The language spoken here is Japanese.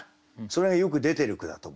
それがよく出てる句だと思ってね。